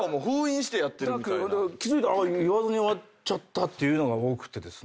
気付いたら言わずに終わったというのが多くてですね。